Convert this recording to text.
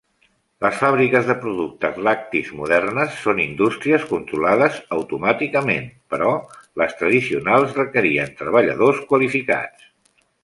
Les fàbriques de productes lactis modernes són indústries controlades automàticament, però les tradicionals requerien treballadors qualificats.